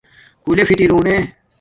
کُولنݣ فُوٹورنݣ